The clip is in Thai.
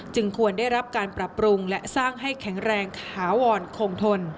ควรได้รับการปรับปรุงและสร้างให้แข็งแรงถาวรคงทน